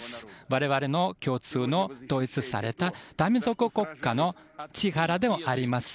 我々の共通の統一された多民族国家の力でもあります。